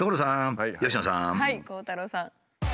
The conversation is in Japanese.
はい鋼太郎さん。